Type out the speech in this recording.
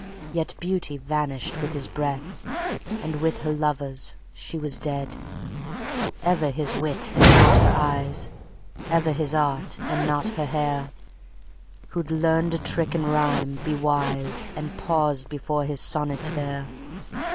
yet Beauty vanished with his breath, and, with her lovers, she was dead... —Ever his wit and not her eyes, ever his art and not her hair: "Who'd learn a trick in rhyme, be wise and pause before his sonnet there"...